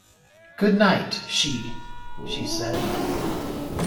“Good-night, she,” she said.